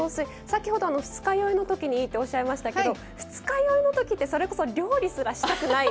先ほど二日酔いのときにいいっておっしゃいましたけど二日酔いのときってそれこそ料理すらしたくない。